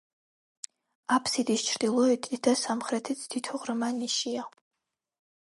აბსიდის ჩრდილოეთით და სამხრეთით თითო ღრმა ნიშია.